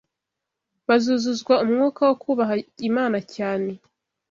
bazuzuzwa umwuka wo kubaha Imana cyane